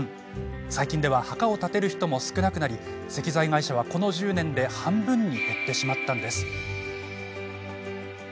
最近では墓を建てる人も少なくなり石材会社はこの１０年で半分に減ってしまったのです。